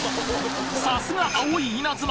さすが青い稲妻